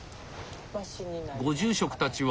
ご住職たちは。